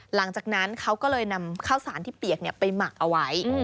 หลังจากนั้นเขาก็เลยนำข้าวสารที่เปียกไปหมักเอาไว้